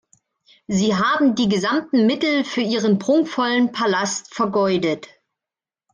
Sie haben die gesamten Mittel für Ihren prunkvollen Palast vergeudet.